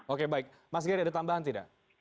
oke baik mas geri ada tambahan tidak